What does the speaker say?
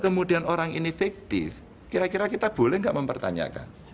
kemudian orang ini fiktif kira kira kita boleh nggak mempertanyakan